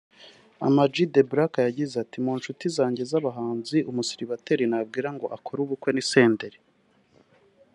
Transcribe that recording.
Ama G the Black yagize ati "Mu nshuti zanjye z’abahanzi umusiribateri nabwira ngo akore ubukwe ni Senderi